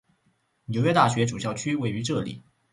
纽约大学主校区位于这里。